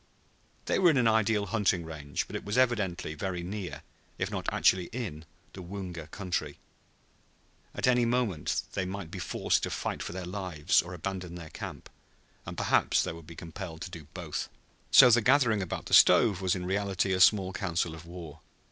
They were in an ideal hunting range, but it was evidently very near, if not actually in, the Woonga country. At any moment they might be forced to fight for their lives or abandon their camp, and perhaps they would be compelled to do both. So the gathering about the stove was in reality a small council of war.